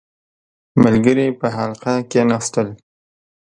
• ملګري په حلقه کښېناستل.